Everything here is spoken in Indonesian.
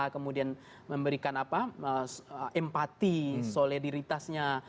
kemudian memberikan empati solidaritasnya